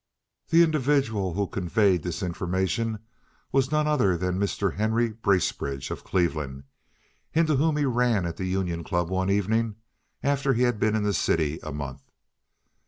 The individual who conveyed this information was none other than Mr. Henry Bracebridge, of Cleveland, into whom he ran at the Union Club one evening after he had been in the city a month.